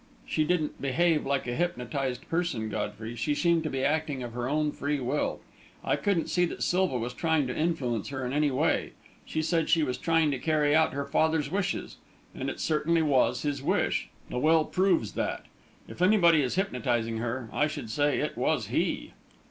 She didn't behave like a hypnotised person, Godfrey; she seemed to be acting of her own free will. I couldn't see that Silva was trying to influence her in any way. She said she was trying to carry out her father's wish. And it certainly was his wish the will proves that. If anybody is hypnotising her, I should say it was he."